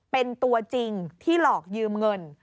เป็นตัวจริงที่หลอกยืมเงิน